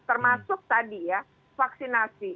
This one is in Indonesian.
termasuk tadi ya vaksinasi